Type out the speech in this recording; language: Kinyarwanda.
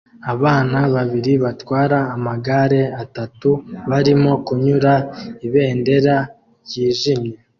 Abana babiri batwara amagare atatu barimo kunyura ibendera ryijimye